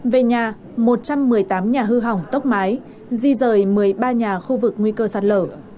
về nhà một trăm một mươi tám nhà hư hỏng tốc mái di rời một mươi ba nhà khu vực nguy cơ sạt lở